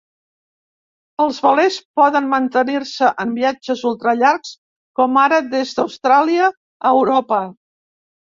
Els velers podien mantenir-se en viatges ultra llargs, com ara des d'Austràlia a Europa.